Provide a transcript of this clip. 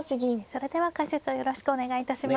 それでは解説をよろしくお願いいたします。